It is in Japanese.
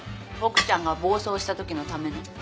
ボクちゃんが暴走したときのための。